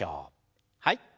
はい。